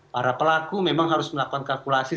para pelaku memang harus melakukan kalkulasi